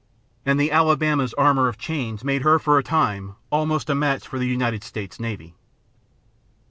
And the Alabama's armor of chains made her for a time almost a match for the United States navy.